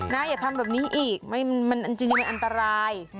อย่าทำแบบนี้อีกอันจริงมันอันตราย